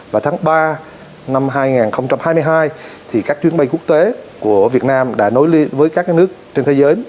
và tháng ba năm hai nghìn hai mươi hai các chuyến bay quốc tế của việt nam đã nối liệ với các nước trên thế giới